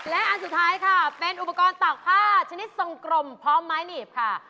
และอันสุดท้ายค่ะเป็นอุปกรณ์ตากผ้าชนิดทรงกลมพร้อมไม้หนีบค่ะ